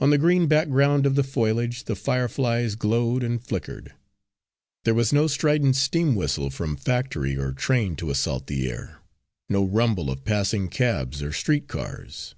On the green background of the foliage the fireflies glowed and flickered. There was no strident steam whistle from factory or train to assault the ear, no rumble of passing cabs or street cars.